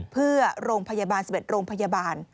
เพื่อโรงพยาบาล๑๑โรงพยาบาล